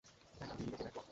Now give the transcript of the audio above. এটা একটা ভিডিয়ো গেমের প্লট!